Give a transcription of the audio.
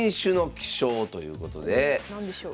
何でしょう？